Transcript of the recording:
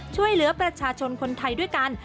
ช่วยเหลือประชาชนคนไทยด้วยกัน